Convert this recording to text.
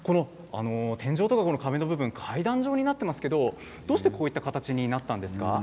天井とか壁の部分、階段状になっていますけれどもどうして、こういった形になってるんですか。